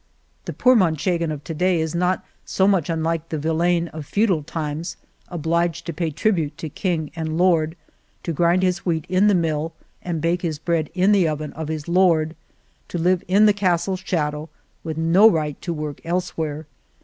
The poor Manchegan of to day is not so much unlike the villein of feudal times obliged to pay tribute to king and lord, to grind his wheat in the mill and bake his bread in the oven of his lord; to live in the castle's shadow with no right to work elsewhere.